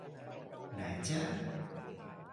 ไหนจ้ะ